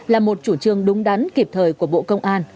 là một chủ trương đúng đắn kịp thời của bộ